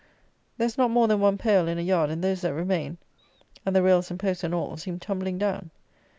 There is not more than one pale in a yard, and those that remain, and the rails and posts and all, seem tumbling down.